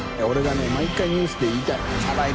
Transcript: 兇毎回ニュースで言いたい。